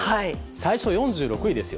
最初、４６位ですよ。